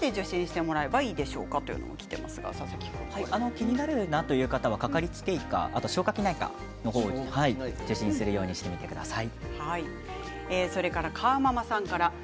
気になるなという方は掛かりつけ医か消化器内科を受診するようにしてください。